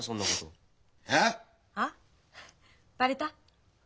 あバレた？